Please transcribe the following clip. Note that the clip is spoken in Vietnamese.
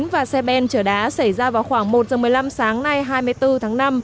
và xe ben chở đá xảy ra vào khoảng một giờ một mươi năm sáng nay hai mươi bốn tháng năm